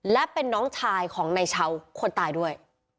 และเป็นน้องชายของนายชาวคนตายด้วย